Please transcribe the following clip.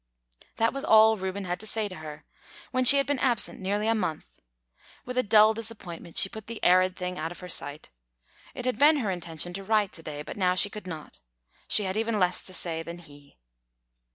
This was all Reuben had to say to her, when she had been absent nearly a month. With a dull disappointment, she put the arid thing out of her sight. It had been her intention to write to day, but now she could not. She had even less to say than he.